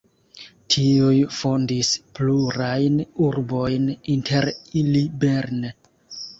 Tiuj fondis plurajn urbojn, inter ili Bern.